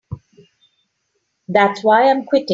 That's why I'm quitting.